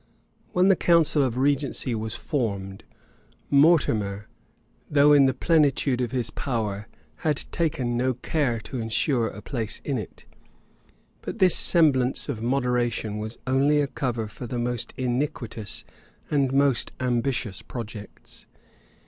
When the council of regency was formed, Mortimer, though in the plenitude of his power, had taken no care to insure a place in it; but this semblance of moderation was only a cover to the most iniquitous and most ambitious projects.